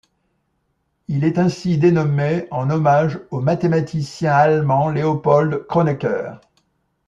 Il est ainsi dénommé en hommage au mathématicien allemand Leopold Kronecker.